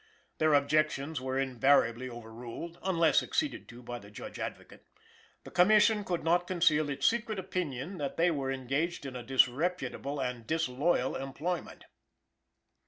Their objections were invariably overruled, unless acceded to by the Judge Advocate. The Commission could not conceal its secret opinion that they were engaged in a disreputable and disloyal employment.